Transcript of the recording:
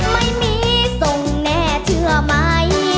ไม่มีส่งแน่เชื่อไหม